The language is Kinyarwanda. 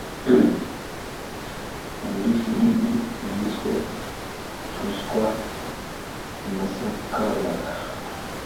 muri filimi yiswe Rwasa na Sakabaka